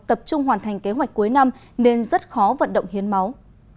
tập trung hoàn thành kế hoạch cuối năm nên rất khó vận động hiến máu